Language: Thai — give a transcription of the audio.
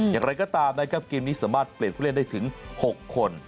อย่างไรก็ตามนะครับเกมนี้สามารถเปลี่ยนผู้เล่นได้ถึง๖คน